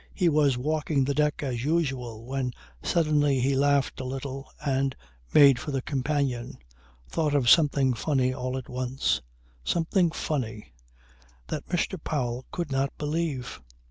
He was walking the deck as usual when suddenly he laughed a little and made for the companion. Thought of something funny all at once." Something funny! That Mr. Powell could not believe.